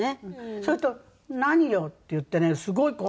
そうすると「何よ？」って言ってねすごい怖いの。